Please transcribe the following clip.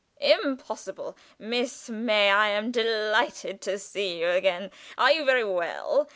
Impossible! Miss May, I am delighted to see you again! Are you very well?